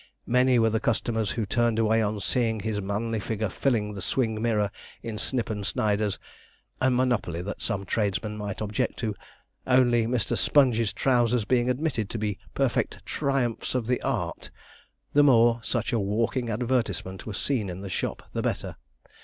Many were the customers who turned away on seeing his manly figure filling the swing mirror in 'Snip and Sneiders',' a monopoly that some tradesmen might object to, only Mr. Sponge's trousers being admitted to be perfect 'triumphs of the art,' the more such a walking advertisement was seen in the shop the better.